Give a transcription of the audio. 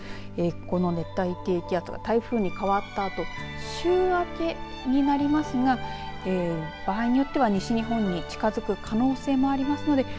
この熱帯低気圧が台風に変わったあと週明けになりますが場合によっては西日本に近づく可能性もありますのでえ